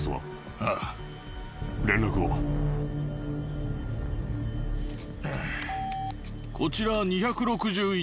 ああ連絡をこちら２６１